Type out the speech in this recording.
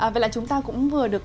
vậy là chúng ta cũng vừa được